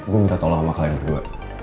gue minta tolong sama kalian berdua